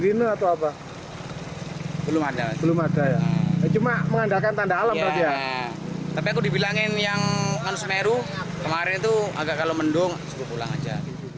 tapi aku dibilangin yang semeru kemarin itu agak kalau mendung cukup pulang aja